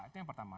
itu yang pertama